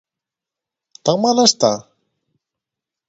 Tan mal está?